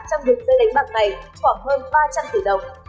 trong đường dây đánh bạc này khoảng hơn ba trăm linh tỷ đồng